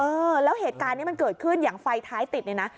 เออแล้วเหตุการณ์นี้มันเกิดขึ้นอย่างไฟท้ายติดเนี่ยนะ